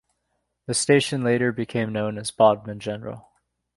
The station later became known as Bodmin General.